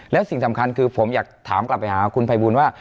แล้วสิ่งสำคัญคือผมอยากถามกลับไปหาคุณภัยบูลว่า